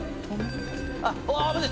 あっ危ない！